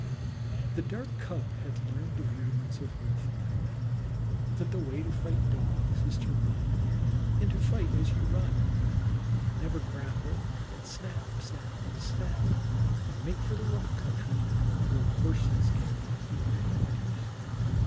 The Dark Cub had learned the rudiments of Wolf life: that the way to fight Dogs is to run, and to fight as you run, never grapple, but snap, snap, snap, and make for the rough country where Horses cannot bring their riders.